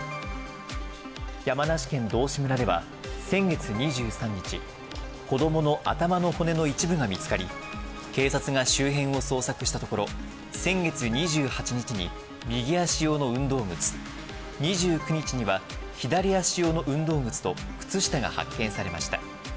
山梨県道志村では、先月２３日、子どもの頭の骨の一部が見つかり、警察が周辺を捜索したところ、先月２８日に右足用の運動靴、２９日には左足用の運動靴と、靴下が発見されました。